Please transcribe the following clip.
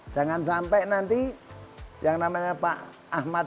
jangan sampai nanti yang namanya pak ahmad